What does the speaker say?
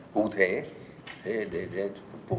cụ thể để phục vụ